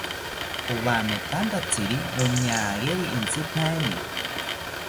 Owametanthatziri roñageri entzipaeni